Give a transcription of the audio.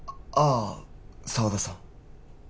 あ沢田さん